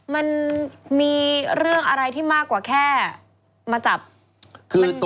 มันมีเรื่องอะไรที่มากกว่าแค่มาจับ